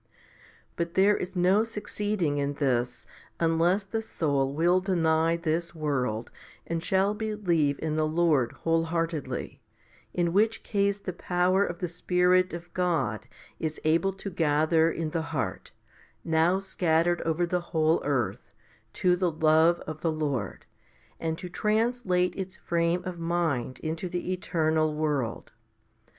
* 2. But there is no succeeding in this unless the soul will deny this world and shall believe in the Lord whole heartedly, in which case the power of the Spirit of God is able to gather in the heart, now scattered over the whole earth, to the love of the Lord, and to translate its frame of 1 Phil. iii. 20. 174 HOMILY XXIV 175 mind into the eternal world.